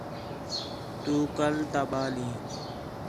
تُو کَل تا ٻال ہیں